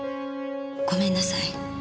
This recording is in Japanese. ごめんなさい。